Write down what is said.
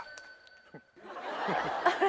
あれ？